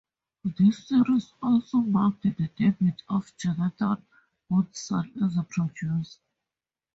This series also marked the debut of Jonathan Goodson as a producer.